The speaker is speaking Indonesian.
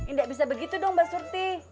nggak bisa begitu dong mbak surti